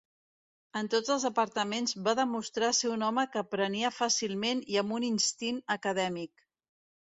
En tots els departaments va demostrar ser un home que aprenia fàcilment i amb un instint acadèmic.